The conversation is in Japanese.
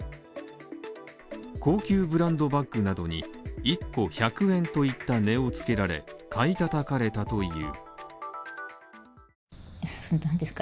高級ブランドバッグなどに１個１００円といった値をつけられ、買いたたかれたという。